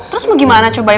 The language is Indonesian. terus mau gimana cobanya